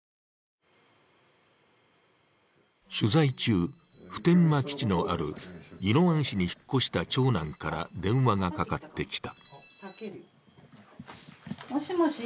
取材中、普天間基地のある宜野湾市に引っ越した長男から電話がかかってきた。